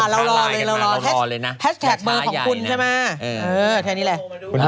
เรารอเลยเรารอแฮชแท็กเบอร์ของคุณใช่ไหมแค่นี้แหละ